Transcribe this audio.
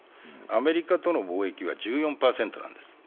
アメリカとの貿易は１４％なんです。